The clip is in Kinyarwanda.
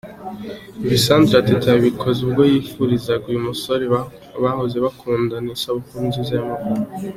Ibi Sandra Teta yabikoze ubwo yifurizaga uyu musore bahoze bakundama isabukuru nziza y'amavuko.